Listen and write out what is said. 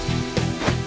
saya yang menang